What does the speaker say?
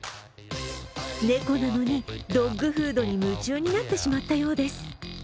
猫なのにドッグフードに夢中になってしまったようです。